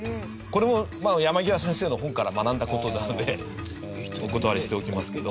これも山極先生の本から学んだ事なのでお断りしておきますけど。